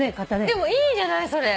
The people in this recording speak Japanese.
でもいいじゃないそれ。